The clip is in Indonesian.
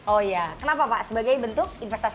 oh ya kenapa pak sebagai bentuk investasi